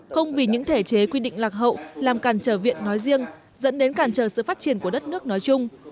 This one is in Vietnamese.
không vì những thể chế quy định lạc hậu làm càn trở viện nói riêng dẫn đến càn trở sự phát triển của đất nước nói chung